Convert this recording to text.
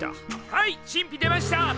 はい神秘出ました！